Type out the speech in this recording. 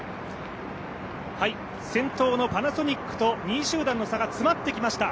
先頭のパナソニックと２位集団の差が詰まってきました。